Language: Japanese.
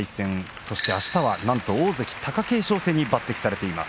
そしてあしたはなんと大関貴景勝戦に抜てきされています。